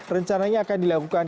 rencananya akan dilakukan